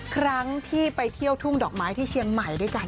ครั้งที่ไปเที่ยวทุ่งดอกไม้ที่เชียงใหม่ด้วยกัน